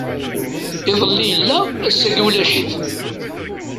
Iḍelli yella, ass-agi ulac-it!